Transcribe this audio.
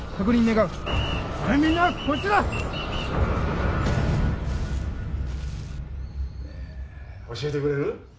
ねえ教えてくれる？